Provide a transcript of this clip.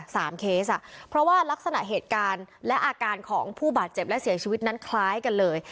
เคสอ่ะเพราะว่ารักษณะเหตุการณ์และอาการของผู้บาดเจ็บและเสียชีวิตนั้นคล้ายกันเลย